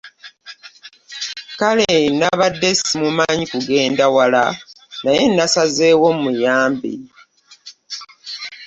Kale nnabadde simumanyi kugenda wala naye nasazeewo mmuyambe.